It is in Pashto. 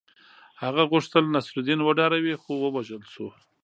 هغه غوښتل نصرالدین وډاروي خو ووژل شو.